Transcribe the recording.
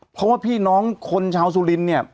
เพราะว่าพี่น้องคนชาวสุรินเนี่ย